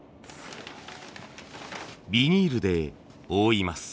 ビニールで覆います。